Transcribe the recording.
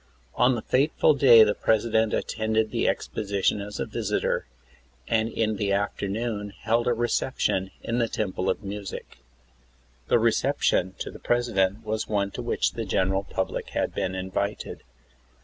On the fateful day the President attended the Exposition, as a visitor, and in the afternoon held a reception in the Temple of Music. The reception to the President was one to which the general public had been invited.